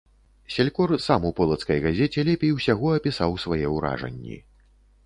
Селькор сам у полацкай газеце лепей усяго апісаў свае ўражанні.